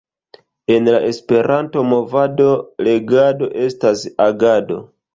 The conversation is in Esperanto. En la Esperanto-movado, legado estas agado!